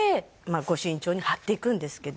御朱印帳に貼っていくんですけど。